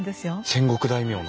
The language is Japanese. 戦国大名の？